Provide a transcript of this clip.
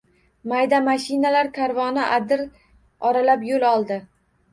Mayda mashinalar karvoni adir oralab yo‘l oldi.